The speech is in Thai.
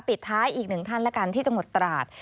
ปิดท้ายอีกหนึ่งท่านแล้วกันที่จังหวัดตราด